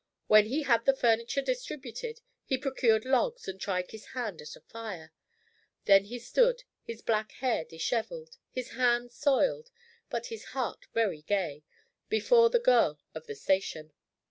When he had the furniture distributed, he procured logs and tried his hand at a fire. Then he stood, his black hair disheveled, his hands soiled, but his heart very gay, before the girl of the station.